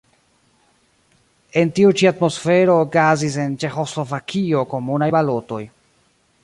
En tiu ĉi atmosfero okazis en Ĉeĥoslovakio komunaj balotoj.